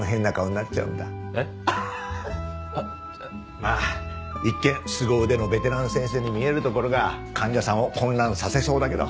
まあ一見すご腕のベテラン先生に見えるところが患者さんを混乱させそうだけど。